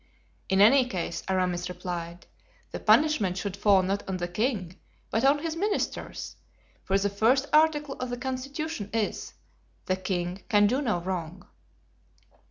"In any case," Aramis replied, "the punishment should fall not on the king, but on his ministers; for the first article of the constitution is, 'The king can do no wrong.